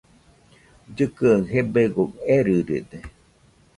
Llɨkɨaɨ gebegoɨ erɨrede.